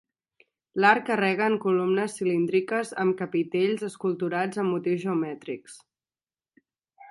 L'arc carrega en columnes cilíndriques, amb capitells esculturats amb motius geomètrics.